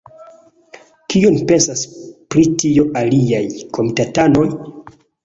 Kion pensas pri tio aliaj komitatanoj?